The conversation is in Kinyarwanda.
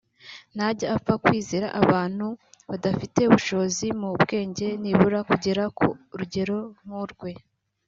ntajya apfa kwizera abantu badafite ubushobozi mu by’ubwenge nibura kugera ku rugero nk’urwe